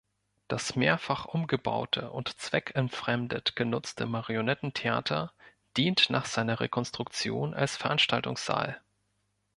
Das mehrfach umgebaute und zweckentfremdet genutzte Marionettentheater dient nach seiner Rekonstruktion als Veranstaltungssaal.